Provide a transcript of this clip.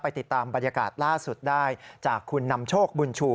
ติดตามบรรยากาศล่าสุดได้จากคุณนำโชคบุญชู